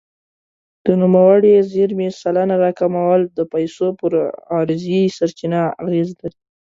د نوموړې زیرمې سلنه راکمول د پیسو پر عرضې سرچپه اغېز لري.